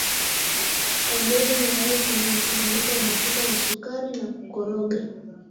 Ongeza mayai kwenye mchanganyiko wa mafuta na sukari na kukoroga